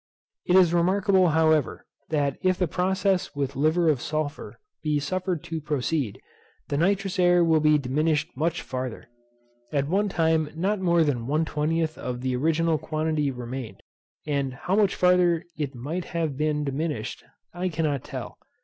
It is remarkable, however, that if the process with liver of sulphur be suffered to proceed, the nitrous air will be diminished much farther. At one time not more than one twentieth of the original quantity remained, and how much farther it right have been diminished, I cannot tell.